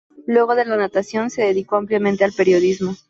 Luego de la natación se dedicó ampliamente al periodismo.